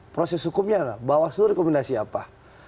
proses hukumnya bawah seluruh rekomendasi apa